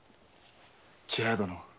千早殿。